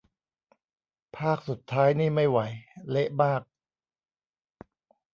ภาคสุดท้ายนี่ไม่ไหว เละมาก